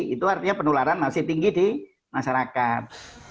itu artinya penularan masih tinggi di masyarakat